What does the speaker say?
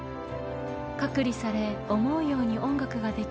隔離され思うように音楽ができない。